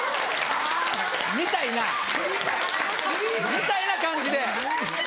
みたいなみたいな感じで。